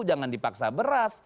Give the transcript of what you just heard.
jangan dipaksa beras